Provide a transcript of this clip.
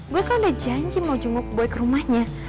gue kan udah janji mau jemput boy ke rumahnya